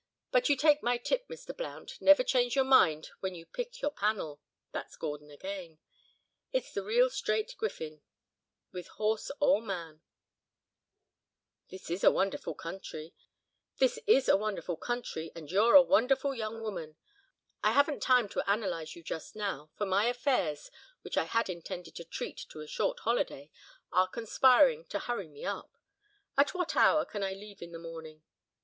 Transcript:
But you take my tip, Mr. Blount, 'never change your mind when you pick your panel' (that's Gordon again), it's the real straight griffin, with horse or man." "This is a wonderful country, and you're a wonderful young woman. I haven't time to analyse you, just now, for my affairs, which I had intended to treat to a short holiday, are conspiring to hurry me up. At what hour can I leave in the morning?"